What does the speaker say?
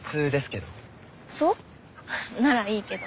ならいいけど。